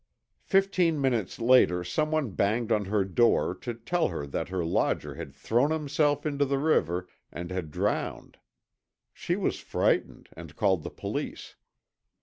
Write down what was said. Fifteen minutes later someone banged on her door to tell her that her lodger had thrown himself into the river and had drowned. She was frightened and called the police.